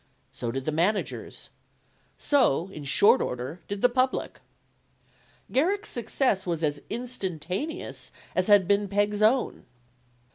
So did the managers. So, in short order, did the public. Garrick's success was as instantaneous as had been Peg's own.